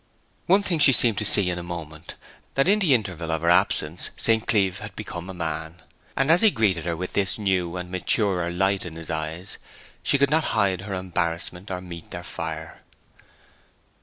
One thing she seemed to see in a moment, that in the interval of her absence St. Cleeve had become a man; and as he greeted her with this new and maturer light in his eyes she could not hide her embarrassment, or meet their fire.